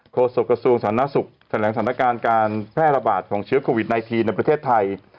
โศกระทรวงสาธารณสุขแถลงสถานการณ์การแพร่ระบาดของเชื้อโควิด๑๙ในประเทศไทย